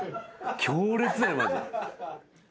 強烈だよマジで。